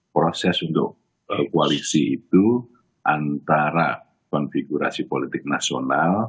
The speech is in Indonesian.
proses untuk koalisi itu antara konfigurasi politik nasional